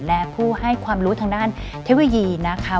และผู้ให้ความรู้ทางด้านเทคโนโลยีนะคะ